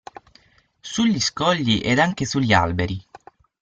Sugli scogli ed anche sugli alberi.